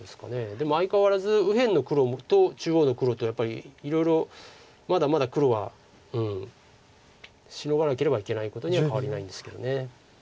でも相変わらず右辺の黒と中央の黒とやっぱりいろいろまだまだ黒はシノがなければいけないことには変わりないんですけど。